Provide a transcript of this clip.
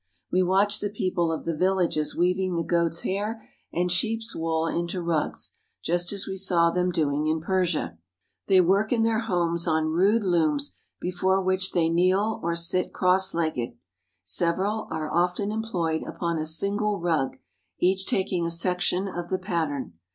We watch the people of the villages weaving the goat's hair and sheep's wool into rugs, just as we saw them doing in Persia. They work in their homes on rude looms, before which they kneel or sit cross legged. Several are often employed upon a single rug, each taking a section of the pattern.